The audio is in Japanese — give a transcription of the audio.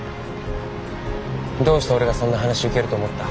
どうして俺がそんな話受けると思った？